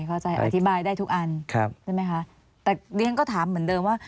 เข้าใจอธิบายได้ทุกอันใช่ไหมคะแต่ที่ท่านก็ถามเหมือนเดิมว่า